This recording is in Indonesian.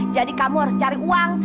kamu harus cari uang